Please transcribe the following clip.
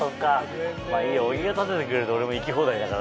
小木が建ててくれると俺も行き放題だからね。